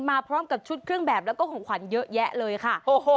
มาพร้อมกับชุดเครื่องแบบแล้วก็ของขวัญเยอะแยะเลยค่ะ